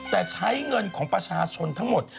แต่ใช้เงินของประชาชนทั้งหมด